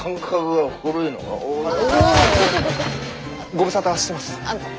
ご無沙汰してます。